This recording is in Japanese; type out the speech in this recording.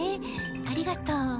ありがとう。